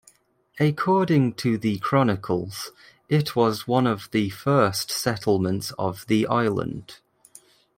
According to the chronicles, it was one of the first settlements of the island.